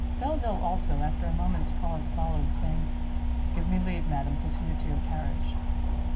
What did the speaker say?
Delvile also, after a moment's pause, followed, saying, "Give me leave, madam, to see you to your carriage."